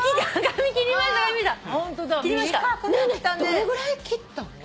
どのぐらい切ったの？